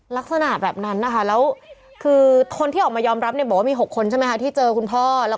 ลักษณะแบบนั้นนะคะแล้วคือคนที่ออกมายอมรับเนี่ยบอกว่ามี๖คนใช่ไหมคะที่เจอคุณพ่อ